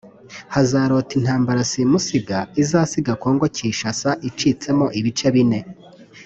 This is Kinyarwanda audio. hazarota intambara simusiga izasiga Congo Kinshasa icitsemo ibice bine